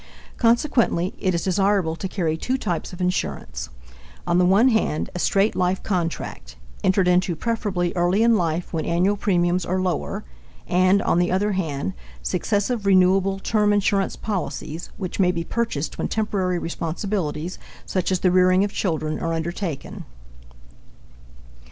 Consequently, it is desirable to carry two types of insurance: on the one hand, a straight life contract, entered into preferably early in life when annual premiums are lower, and, on the other hand, successive renewable term insurance policies which may be purchased when temporary responsibilities, such as the rearing of children, are undertaken.